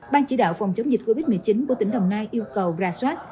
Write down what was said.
ban chỉ đạo phòng chống dịch covid một mươi chín của tỉnh đồng nai yêu cầu ra soát